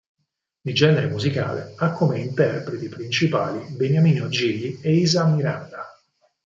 Di genere musicale, ha come interpreti principali Beniamino Gigli e Isa Miranda.